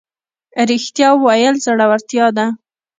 ریښتیا ویل زړورتیا ده